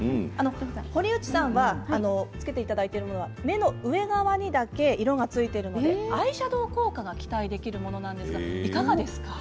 堀内さんは着けていただいているものは目の上側にだけ色がついているのでアイシャドー効果が期待できるものなんですがいかがですか。